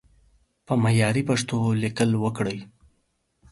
په معياري پښتو ليکل وکړئ!